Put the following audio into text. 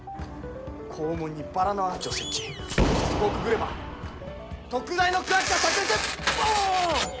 校門にバラのアーチを設置そしてそこをくぐれば特大のクラッカーさく裂ＢＯＯＯＮ！